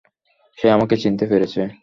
সে আমাকে চিনতে পেরেছে।